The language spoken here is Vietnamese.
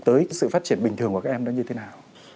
tới sự phát triển bình thường của các em đó như thế nào